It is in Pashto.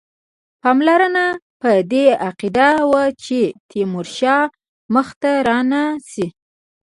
پالمر په دې عقیده وو چې تیمورشاه مخته رانه سي.